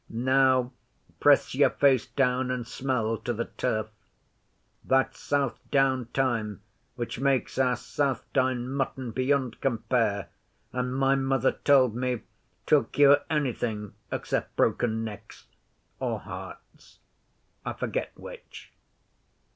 'Now press your face down and smell to the turf. That's Southdown thyme which makes our Southdown mutton beyond compare, and, my mother told me, 'twill cure anything except broken necks, or hearts. I forget which.